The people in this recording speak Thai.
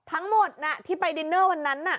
ทั้งหมดที่ไปดินเนอร์วันนั้น